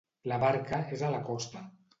La barca és a la costa?